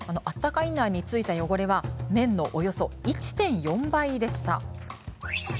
あったかインナーに付いた汚れは綿のおよそ１．４倍でした。